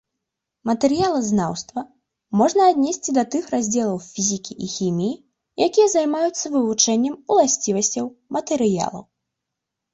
Матэрыялазнаўства можна аднесці да тых раздзелах фізікі і хіміі, якія займаюцца вывучэннем уласцівасцяў матэрыялаў.